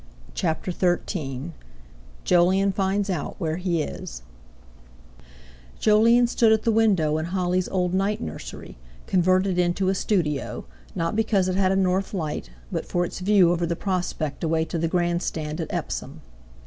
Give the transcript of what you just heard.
CHAPTER XIII JOLYON FINDS OUT WHERE HE IS Jolyon stood at the window in Holly's old night nursery, converted into a studio, not because it had a north light, but for its view over the prospect away to the Grand Stand at Epsom.